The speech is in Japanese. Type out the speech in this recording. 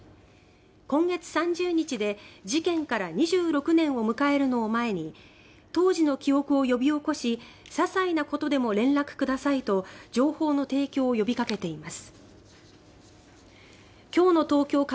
今月３０日で事件から２６年を迎えるのを前に当時の記憶を呼び起こしささいなことでも連絡くださいと情報の提供を呼びかけています。